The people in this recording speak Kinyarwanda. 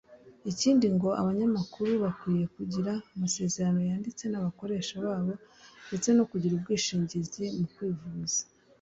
Ikindi ngo abanyamakuru bakwiriye kugira amasezerano yanditse n’abakoresha babo ndetse no kugira ubwishingizi mu kwivuza